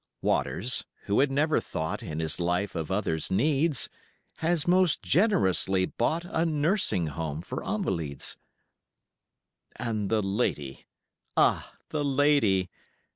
Waters, who had never thought In his life of others' needs, Has most generously bought A nursing home for invalids. And the lady ah, the lady!